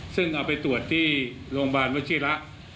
ซึ่งเอาไปตรวจที่โรงพยาบาลวชิระ